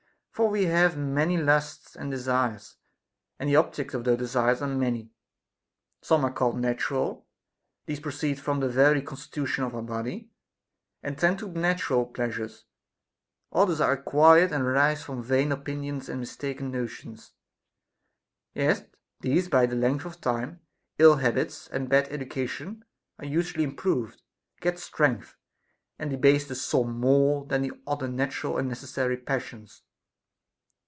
For we have many lusts and desires, and the objects of those desires are many. \Some are called natural ; these proceed from the very con stitution of our body, and tend to natural pleasures ; others are acquired, and rise from vain opinions and mistaken notions ; yet these by the length of time, ill habits, and bad education are usually improved, get strength, and debase the soul more than the other natural and necessary passions.